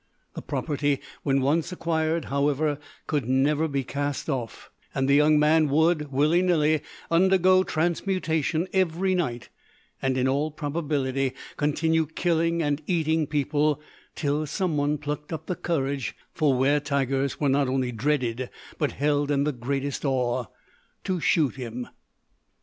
The property when once acquired, however, could never be cast off, and the young man would, willy nilly, undergo transmutation every night, and in all probability continue killing and eating people till some one plucked up the courage for wer tigers were not only dreaded, but held in the greatest awe to shoot him.